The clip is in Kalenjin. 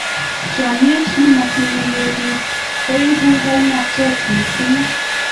chamiet ne matinye kerib koibu bainaiet mising